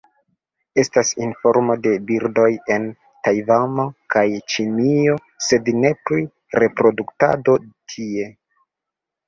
Estas informo de birdoj en Tajvano kaj Ĉinio, sed ne pri reproduktado tie.